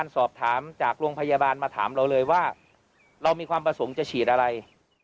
สอบถามจากโรงพยาบาลมาถามเราเลยว่าเรามีความประสงค์จะฉีดอะไร